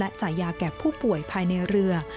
จ่ายยาแก่ผู้ป่วยภายในเรือ